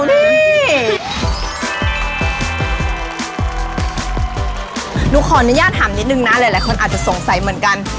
นี่ขออนุญาตอบได้ยากถามนิดหนึ่งนะหลายคนอาจจะสงสัยเหมือนกัน